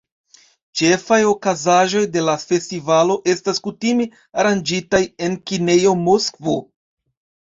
Ĉefaj okazaĵoj de la festivalo estas kutime aranĝitaj en kinejo Moskvo.